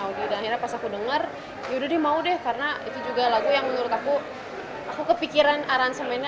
udah pas aku denger yaudah mau deh karena itu juga lagu yang menurut aku aku kepikiran aransemennya